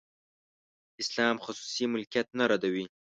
اسلام خصوصي ملکیت نه ردوي.